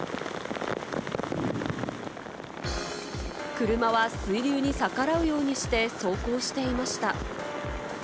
車は水流に逆らうようにして走行していました。